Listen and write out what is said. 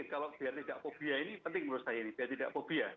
kalau biar tidak fobia ini penting menurut saya ini biar tidak fobia